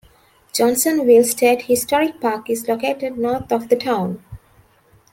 Johnsonville State Historic Park is located north of the town.